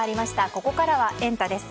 ここからはエンタ！です。